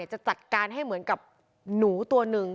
จะจัดการให้เหมือนกับหนูตัวหนึ่ง